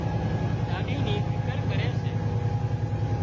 ڏاڏِي نِي فڪر ڪري سي